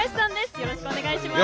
よろしくお願いします。